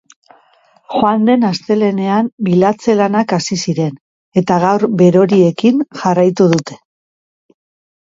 Joan den astelehenean bilatze lanak hasi ziren eta gaur beroriekin jarraitu dute.